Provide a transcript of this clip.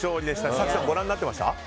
早紀さんはご覧になってました？